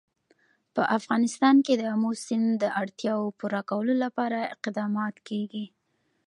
په افغانستان کې د آمو سیند د اړتیاوو پوره کولو لپاره اقدامات کېږي.